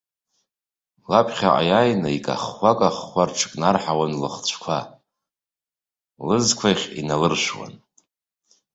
Лаԥхьаҟа иааины, икахәхәа-кахәхәа рҽыкнарҳауан лыхцәқәа, лызқәахь иналыршәуан.